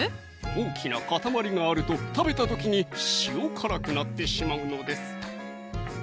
大きな塊があると食べた時に塩辛くなってしまうのです